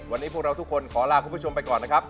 วันนี้พวกเราทุกคนขอลาคุณผู้ชมไปก่อนนะครับ